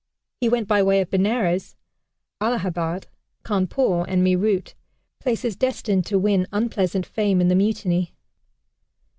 He went by way of Benares, Allahabad, Cawnpore, and Meerut places destined to win unpleasant fame in the Mutiny.